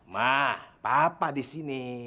ma papa di sini